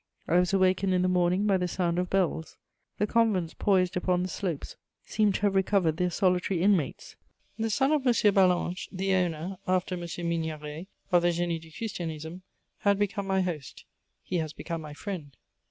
I was awakened in the morning by the sound of bells. The convents poised upon the slopes seemed to have recovered their solitary inmates. The son of M. Ballanche, the owner, after M. Migneret, of the Génie du Christianisme, had become my host: he has become my friend.